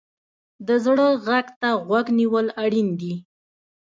د زړه غږ ته غوږ نیول اړین دي.